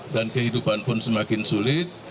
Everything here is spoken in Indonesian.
dan kehidupan pun semakin sulit